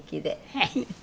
はい。